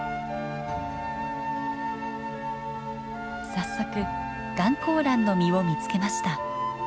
早速ガンコウランの実を見つけました。